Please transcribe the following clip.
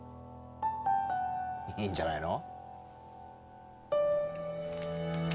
いいんじゃないの？